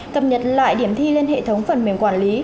cập nhật lại điểm thi lên hệ thống phần mềm quản lý